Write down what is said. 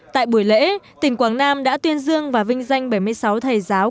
tại buổi lễ tỉnh quảng nam đã tuyên dương và vinh danh bảy mươi sáu thầy giáo